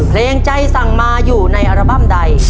เพลงใจสั่งมาอยู่ในอัลบั้มใด